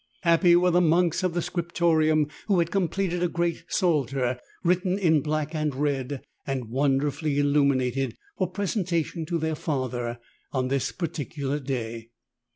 Happy were the monks of the Scriptorium who had completed a great Psalter written in black and red and wonderfully illuminated, for presentation to their Father on this particular day.